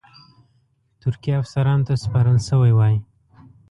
ترکي افسرانو ته سپارل شوی وای.